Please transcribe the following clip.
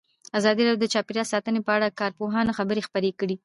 ازادي راډیو د چاپیریال ساتنه په اړه د کارپوهانو خبرې خپرې کړي.